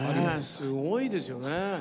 すごいですよね。